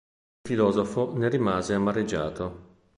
Il filosofo ne rimase amareggiato.